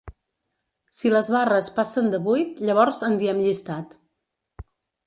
Si les barres passen de vuit, llavors en diem llistat.